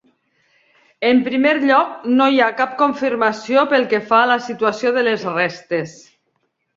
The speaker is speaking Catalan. En primer lloc, no hi ha cap confirmació pel que fa a la situació de les restes.